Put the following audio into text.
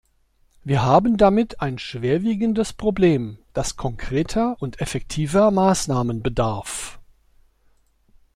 Wir haben damit ein schwerwiegendes Problem, das konkreter und effektiver Maßnahmen bedarf.